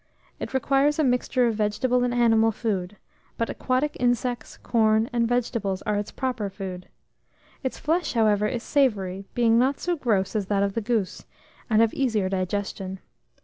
It requires a mixture of vegetable and animal food; but aquatic insects, corn, and vegetables, are its proper food. Its flesh, however, is savoury, being not so gross as that of the goose, and of easier digestion.